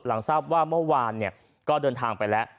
ทราบว่าเมื่อวานก็เดินทางไปแล้ว